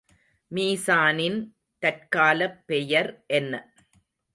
மீசானின் தற்காலப் பெயர் என்ன?